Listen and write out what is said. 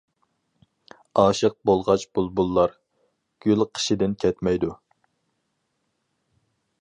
ئاشىق بولغاچ بۇلبۇللار، گۈل قېشىدىن كەتمەيدۇ.